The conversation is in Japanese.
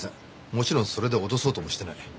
もちろんそれで脅そうともしてない。